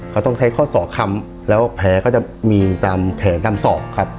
เขาต้องใช้ข้อศอกค้ำแล้วแผลก็จะมีตามแขนตามศอกครับ